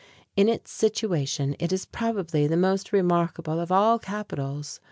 In its situation, it is probably the most remarkable of all capitals.